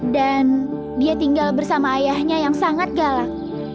dan dia tinggal bersama ayahnya yang sangat galak